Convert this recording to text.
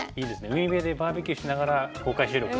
海辺でバーベキューしながら公開収録とか。